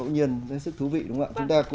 nhưng mà về sau